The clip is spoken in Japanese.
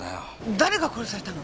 誰が殺されたの？